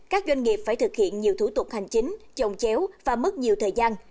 các doanh nghiệp phải thực hiện nhiều thủ tục hành chính chồng chéo và mất nhiều thời gian